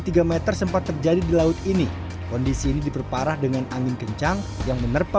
tiga meter sempat terjadi di laut ini kondisi ini diperparah dengan angin kencang yang menerpa